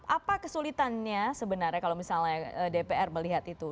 apa kesulitannya sebenarnya kalau misalnya dpr melihat itu